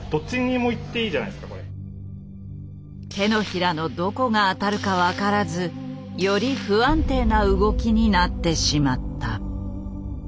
手のひらのどこが当たるか分からずより不安定な動きになってしまった。